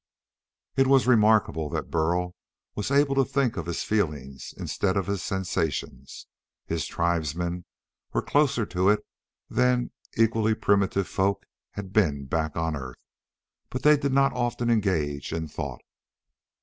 It was remarkable that Burl was able to think of his feelings instead of his sensations. His tribesmen were closer to it than equally primitive folk had been back on Earth, but they did not often engage in thought.